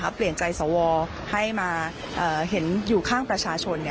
เปลี่ยนใจสวให้มาเห็นอยู่ข้างประชาชน